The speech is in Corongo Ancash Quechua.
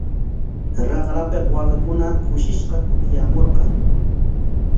Raqrapik waakakuna kushishqa kutiyaamurqan.